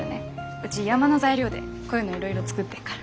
うち山の材料でこういうのいろいろ作ってっから。